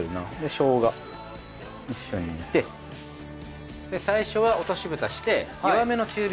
しょうが一緒に煮て最初は落とし蓋して弱めの中火。